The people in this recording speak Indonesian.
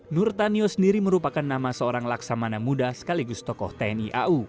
nurtanio sendiri merupakan nama seorang laksamana muda sekaligus tokoh tni au